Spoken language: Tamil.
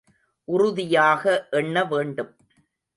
உறுதியாக எண்ண வேண்டும்.